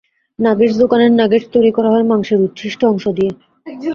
Nuggets দোকানের nuggets তৈরি করা হয় মাংসের উচ্ছিষ্ট অংশ দিয়ে।